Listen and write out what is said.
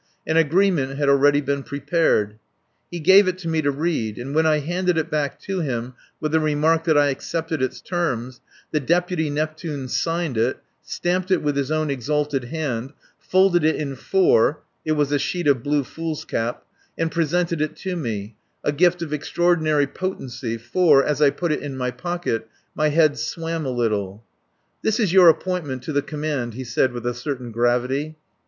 An agreement had already been prepared. He gave it to me to read, and when I handed it back to him with the remark that I accepted its terms, the deputy Neptune signed it, stamped it with his own exalted hand, folded it in four (it was a sheet of blue foolscap) and presented it to me a gift of extraordinary potency, for, as I put it in my pocket, my head swam a little. "This is your appointment to the command," he said with a certain gravity.